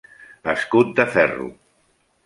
Escut de ferro.